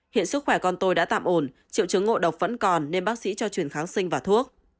hiện sức khỏe con tôi đã tạm ổn triệu chứng ngộ độc vẫn còn nên bác sĩ cho chuyển kháng sinh và thuốc